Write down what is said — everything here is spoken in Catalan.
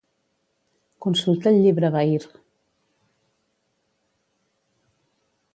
Consulta el llibre Bahir.